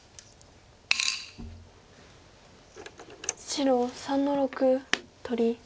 白３の六取り。